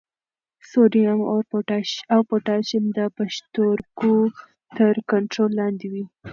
سوډیم او پوټاشیم د پښتورګو تر کنټرول لاندې وي.